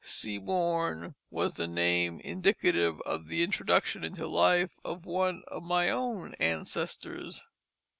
Seaborn was the name indicative of the introduction into life of one of my own ancestors.